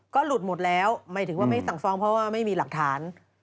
ก็หลุดหมดแล้วหมายถึงว่าไม่สั่งฟ้องเพราะว่าไม่มีหลักฐาน